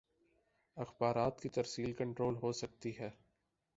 اخبارات کی ترسیل کنٹرول ہو سکتی ہے۔